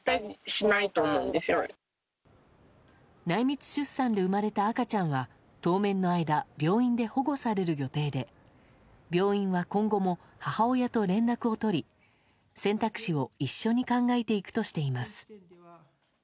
内密出産で生まれた赤ちゃんは当面の間病院で保護される予定で病院は今後も母親と連絡を取り選択肢を一緒に考えていくとしています。